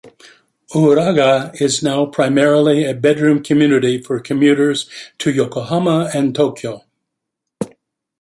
Uraga is now primarily a bedroom community for commuters to Yokohama and Tokyo.